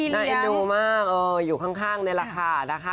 น่าเอ็นดูมากอยู่ข้างในราคานะคะ